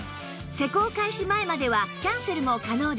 施工開始前まではキャンセルも可能です